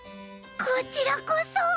こちらこそ！